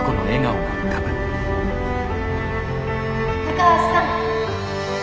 高橋さん。